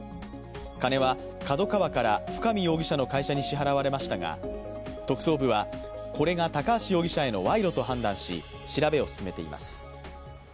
金はＫＡＤＯＫＡＷＡから深見容疑者の会社に支払われましたが特捜部は、これが高橋容疑者への賄賂と判断し調べを進めています。